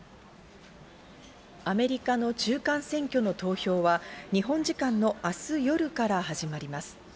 アメリカの中間選挙の投票は日本時間の明日夜から始まります。